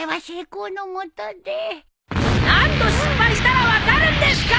何度失敗したら分かるんですか！！